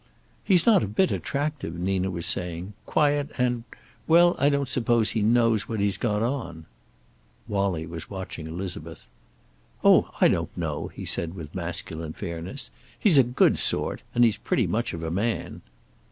"He's not a bit attractive," Nina was saying. "Quiet, and well, I don't suppose he knows what he's got on." Wallie was watching Elizabeth. "Oh, I don't know," he said, with masculine fairness. "He's a good sort, and he's pretty much of a man."